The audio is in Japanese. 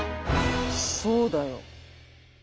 そうだよ。